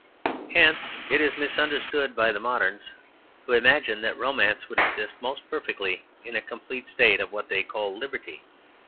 Hence it is misunderstood by the moderns, who imagine that romance would exist most perfectly in a complete state of what they call liberty.